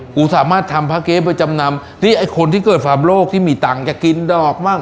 กูสามารถทำพระเก๊ไปจำนำที่ไอ้คนที่เกิดฟาร์มโลกที่มีตังค์จะกินดอกมั่ง